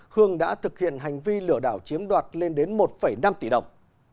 hương đã thực hiện hành vi lừa đảo chiếm đoạt lên đến một năm tỷ đồng